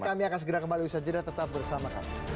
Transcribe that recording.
kami akan segera kembali bersama sama